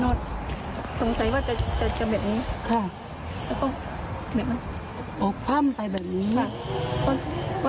ตอนคุณครูเห็นน้องอยู่ยังไงนะคะ